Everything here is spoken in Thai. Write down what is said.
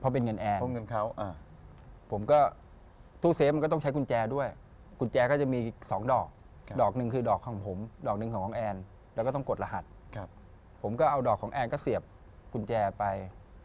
ผมก็เอาดอกของแอลก็เสียบกุญแจไป